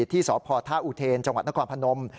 ที่สภธอุเทนจังหวัดนกรรมพนม